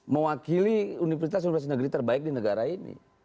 mewakili universitas universitas negeri terbaik di negara ini